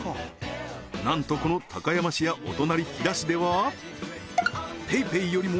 なんとこの高山市やお隣